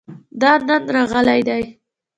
دا نن راغلی دی